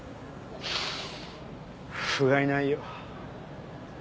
ふがいないよ。